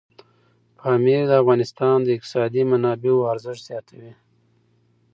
پامیر د افغانستان د اقتصادي منابعو ارزښت زیاتوي.